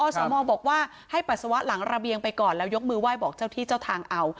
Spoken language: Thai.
สมบอกว่าให้ปัสสาวะหลังระเบียงไปก่อนแล้วยกมือไหว้บอกเจ้าที่เจ้าทางเอา